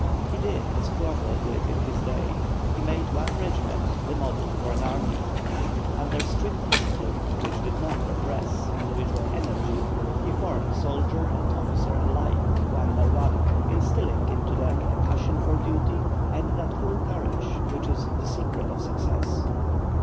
He did as Cromwell did in his day; he made one regiment the model for an army. Under strict discipline, which did not repress individual energy, he formed soldier and officer alike, one by one, instilling into them a passion for duty and that cool courage which is the secret of success.